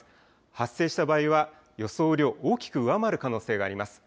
発生した場合は予想雨量、大きく上回る可能性があります。